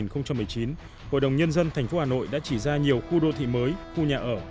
hội đồng nhân dân tp hà nội đã chỉ ra nhiều khu đô thị mới khu nhà ở